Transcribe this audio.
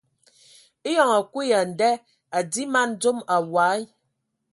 Eyɔŋ a kui ya a nda a dii man dzom awɔi.